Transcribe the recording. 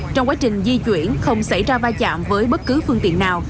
trong quá trình di chuyển không xảy ra va chạm với bất cứ phương tiện nào